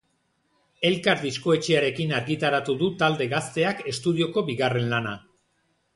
Elkar diskoetxearekin argitaratu du talde gazteak estudioko bigarren lana.